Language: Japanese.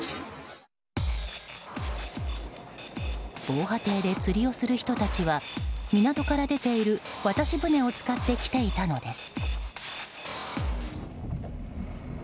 防波堤で釣りをする人たちは港から出ている渡し船を使って来ていたのです。